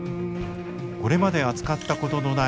これまで扱ったことのない